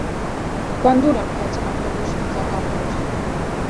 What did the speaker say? Quant dura el viatge en autobús fins a Campos?